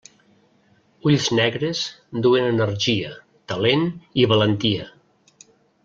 Ulls negres duen energia, talent i valentia.